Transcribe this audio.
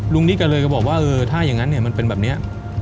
ลุงนิดก็เลยบอกว่าถ้าอย่างนั้นมันเป็นแบบนี้